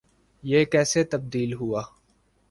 یہ کیسے تبدیل ہوں۔